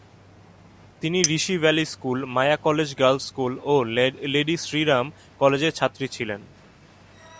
তিনি Rishi valley school, Maya college girls school ও lady Shri Ram কলেজের ছাত্রী ছিলেন।